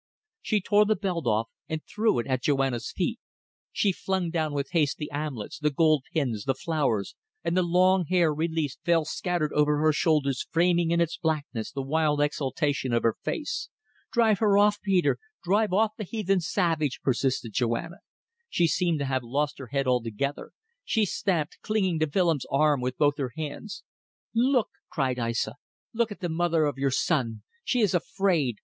She tore the belt off and threw it at Joanna's feet. She flung down with haste the armlets, the gold pins, the flowers; and the long hair, released, fell scattered over her shoulders, framing in its blackness the wild exaltation of her face. "Drive her off, Peter. Drive off the heathen savage," persisted Joanna. She seemed to have lost her head altogether. She stamped, clinging to Willems' arm with both her hands. "Look," cried Aissa. "Look at the mother of your son! She is afraid.